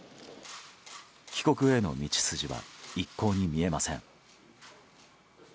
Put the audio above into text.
帰国への道筋は一向に見えません。